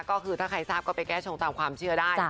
ก็คือถ้าใครทราบก็ไปแก้ชงตามความเชื่อได้